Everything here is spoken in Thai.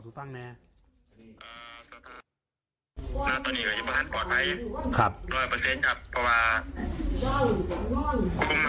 เพราะบางเนี่ยวันอาหารน้ำฟาร์มวันฮี่ว่า